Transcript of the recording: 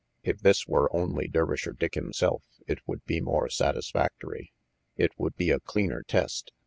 If this were only Dervisher Dick himself it would be more satisfactory. It would be a cleaner test.